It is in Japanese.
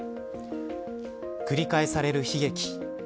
繰り返される悲劇。